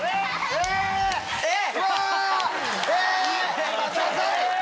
えっ！